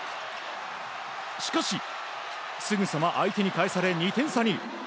しかし、すぐさま相手に返され２点差に。